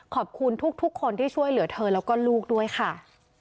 ขอบคุณทุกคนที่ช่วยเหลือเธอแล้วก็ลูกด้วยค่ะ